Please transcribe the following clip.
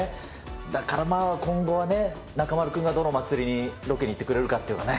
だからまあ、今後はね、中丸君が、どの祭りにロケに行ってくれるかっていうかね。